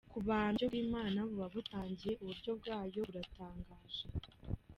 Ku bantu iyo birangiye, uburyo bw’Imana buba butangiye, uburyo bwayo buratangaje!.